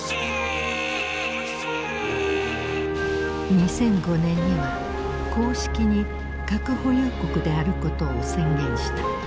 ２００５年には公式に核保有国であることを宣言した。